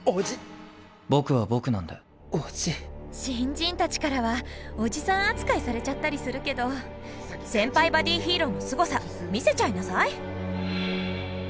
新人たちからはおじさん扱いされちゃったりするけど先輩バディヒーローのすごさ見せちゃいなさい！